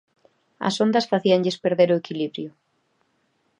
As ondas facíanlles perder o equilibrio.